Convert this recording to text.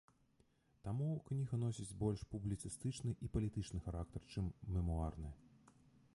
Таму кніга носіць больш публіцыстычны і палітычны характар, чым мемуарны.